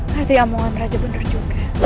berarti omongan raja bener juga